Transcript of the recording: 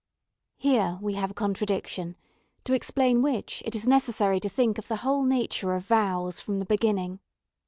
Here we have a contradiction, to explain which it is necessary to think of the whole nature of vows from the beginning.